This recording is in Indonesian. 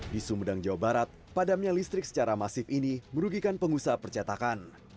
di sumedang jawa barat padamnya listrik secara masif ini merugikan pengusaha percetakan